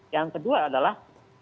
yang kedua adalah